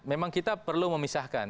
memang kita perlu memisahkan